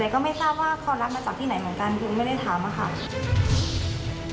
ก็ไม่ได้ถามค่ะ